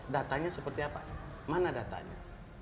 datanya seperti apa mana datanya